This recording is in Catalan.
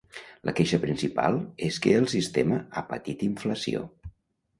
La queixa principal és que el sistema ha patit inflació.